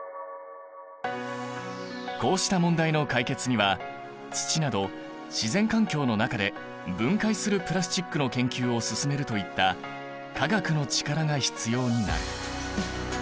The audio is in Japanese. こうした問題の解決には土など自然環境の中で分解するプラスチックの研究を進めるといった化学の力が必要になる。